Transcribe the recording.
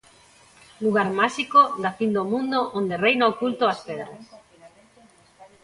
Lugar máxico da fin do mundo onde reina o culto ás pedras.